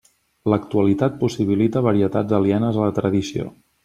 L'actualitat possibilita varietats alienes a la tradició.